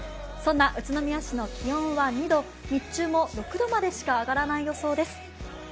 そんな宇都宮市の気温は２度日中も６度までしか上がらない予想です。